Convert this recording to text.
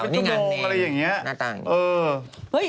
นี่ค่ะนี่หน่าตาเหมือนแบบนี้